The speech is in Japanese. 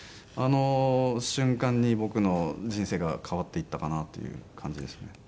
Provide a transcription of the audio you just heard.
あの瞬間に僕の人生が変わっていったかなという感じでしたね。